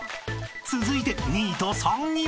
［続いて２位と３位は？］